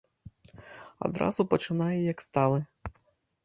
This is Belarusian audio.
Адразу пачынае, як сталы.